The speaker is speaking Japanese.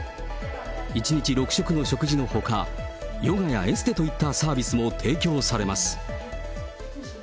１日６食の食事のほか、ヨガやエステといったサービスも提供されます。